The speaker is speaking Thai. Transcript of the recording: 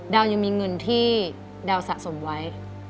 ดาวยังมีเงินที่ดาวสะสมไว้